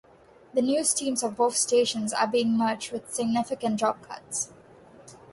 The news teams of both stations are being merged with significant job cuts.